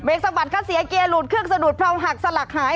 สะบัดค่าเสียเกียร์หลุดเครื่องสะดุดเผาหักสลักหาย